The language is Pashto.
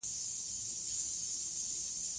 د ټولنې د پرمختګ لپاره تعلیم اړین دی.